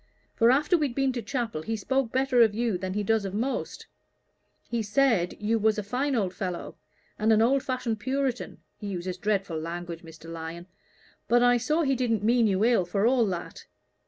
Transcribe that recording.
For after we'd been to chapel, he spoke better of you than he does of most: he said you was a fine old fellow, and an old fashioned Puritan he uses dreadful language, Mr. Lyon; but I saw he didn't mean you ill, for all that.